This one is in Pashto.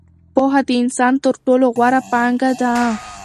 پوهه د انسان تر ټولو غوره پانګه ده.